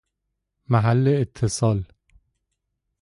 محل اتصال